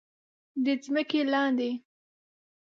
د ځمکې لاندې